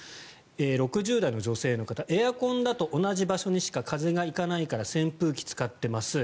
６０代の女性の方、エアコンだと同じ場所にしか風がいかないから扇風機を使っています。